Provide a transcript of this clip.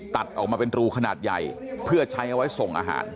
ตัดออกมาเป็นรูขนาดใหญ่เพื่อใช้เอาไว้ส่งอาหาร